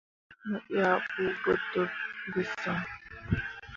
Mo yah ɓu gbǝ dǝɓ ge sǝŋ.